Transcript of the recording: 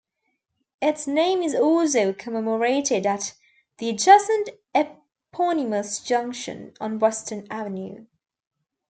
Its name is also commemorated at the adjacent eponymous junction on Western Avenue.